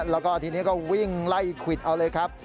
แล้วก็ทีนี้ก็วิ่งไล่ควิดเอาเลยครับ